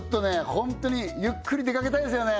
本当にゆっくり出かけたいですよね